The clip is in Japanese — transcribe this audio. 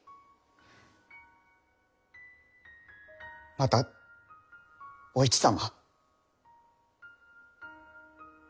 またお市様。